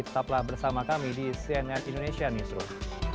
tetaplah bersama kami di cnn indonesia newsroom